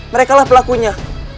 mereka lah pelakunya